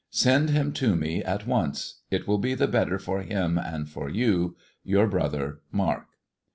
Send him to me at once ; it will be the better for him and for you. — Your brother, Mark."